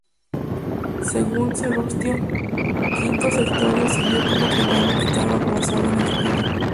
Según Salustio, Quinto Sertorio sirvió como tribuno militar bajo las órdenes de Didio.